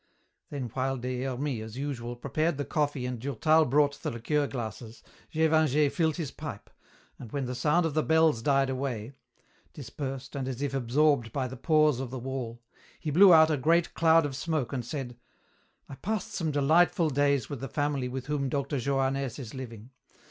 Then while Des Hermies, as usual, prepared the coffee and Durtal brought the liqueur glasses, Gévingey filled his pipe, and when the sound of the bells died away dispersed and as if absorbed by the pores of the wall he blew out a great cloud of smoke and said, "I passed some delightful days with the family with whom Dr. Johannès is living.